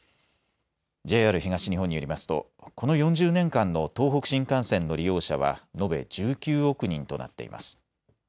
ＪＲ東日本によりますとこの４０年間の東北新幹線の利用者は延べ１９億人となっています。